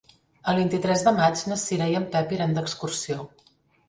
El vint-i-tres de maig na Cira i en Pep iran d'excursió.